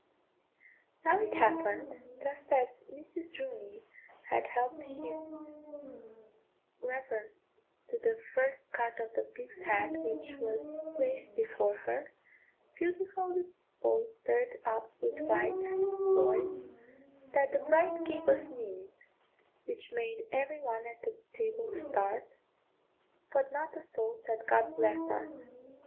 Now it happened, just as Mrs. Rooney had helped his reverence to the first cut of the pig's head which was placed before her, beautifully bolstered up with white savoys, that the bride gave a sneeze, which made every one at table start, but not a soul said "God bless us."